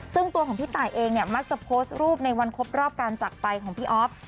ซึ่งตัวของพี่ตายเองเนี่ยมักจะโพสต์รูปในวันครบรอบการจักรไปของพี่อ๊อฟ